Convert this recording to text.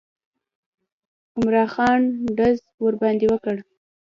عمرا خان ډز ورباندې وکړ.